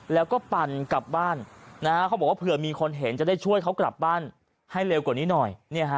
แล้วก็ปั่นกลับบ้านเขาบอกว่าเผื่อมีคนเห็นจะได้ช่วยเขากลับบ้านให้เร็วกว่านี้หน่อย